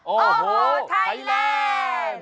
โอ้โหไทยแรม